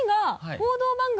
報道番組。